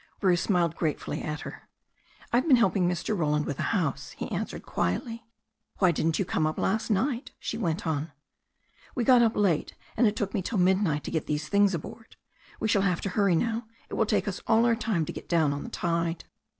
Bruce smiled gratefully at her. "IVe been helping Mr. Roland with the house," he an swered quietly. "Why didn't you come up last night ?" she went on. "We got up late, and it took me till midnight to get the things aboard. We shall have to hurry now. It will take us all our time to get down on the tide."